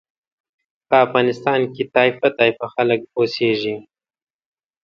په افغانستان کې طایفه طایفه خلک اوسېږي.